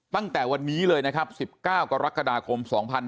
ตั้งแต่วันนี้เลยนะครับ๑๙กรกฎาคม๒๕๕๙